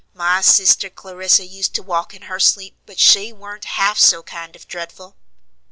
My sister Clarissy used to walk in her sleep, but she warn't half so kind of dreadful."